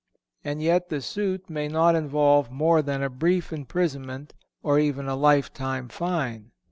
And yet the suit may not involve more than a brief imprisonment or even a limited fine.